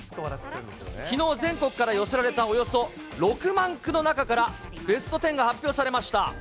きのう全国から寄せられたおよそ６万句の中から、ベスト１０が発表されました。